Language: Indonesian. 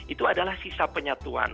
itu adalah sisa penyatuan